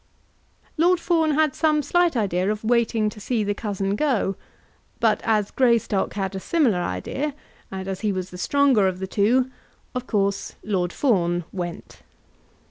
Lord Fawn had some slight idea of waiting to see the cousin go; but as Greystock had a similar idea, and as he was the stronger of the two, of course Lord Fawn went.